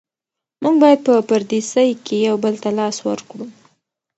موږ باید په پردیسۍ کې یو بل ته لاس ورکړو.